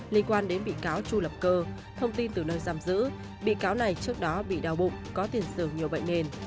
liên quan đến bị cáo chu lập cơ thông tin từ nơi giam giữ bị cáo này trước đó bị đau bụng có tiền sử nhiều bệnh nền